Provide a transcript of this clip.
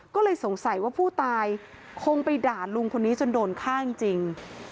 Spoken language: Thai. ก็เลยสงสัยว่าผู้ตายคงไปด่าลุงคนนี้จนโดนฆ่าจริง